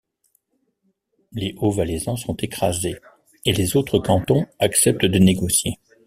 Les Haut-Valaisans sont écrasés, et les autres cantons acceptent de négocier.